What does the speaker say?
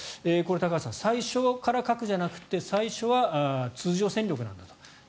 高橋さん、最初から核じゃなくて最初は通常戦力なんだと。